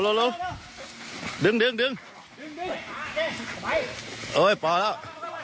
โอ้ยพอแล้ว